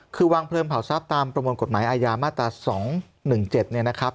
คือวางเพลิงเผาทรัพย์ตามประมวลกฎหมายอาญามาตรา๒๑๗เนี่ยนะครับ